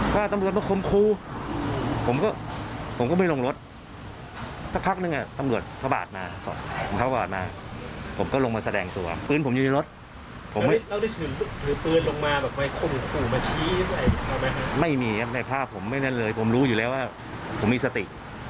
ผมไม่ได้เป็นแบบนั้นเลยผมรู้อยู่แล้วว่าผมมีสติ